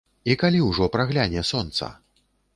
І калі ўжо прагляне сонца?